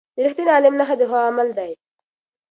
د رښتیني عالم نښه د هغه عمل دی.